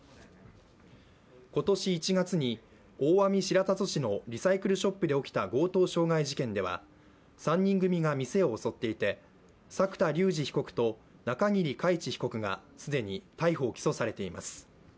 今年１月に大網白里市のリサイクルショップで起きた強盗傷害事件では３人組が店を襲っていて作田竜二被告と中桐海知被告が既に逮捕・起訴されています。